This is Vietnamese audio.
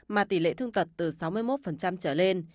mà tỷ lệ thương tật từ sáu mươi một trở lên